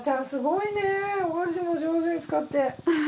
すごいねお箸も上手に使って。